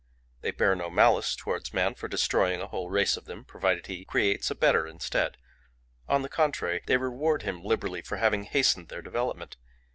They bear no malice towards man for destroying a whole race of them provided he creates a better instead; on the contrary, they reward him liberally for having hastened their development.